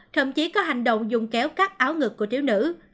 thậm chí có hành động dùng kéo cắt áo ngược của thiếu nữ